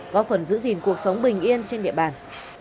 góp phần giữ gìn cuộc sống bình yên trên địa bàn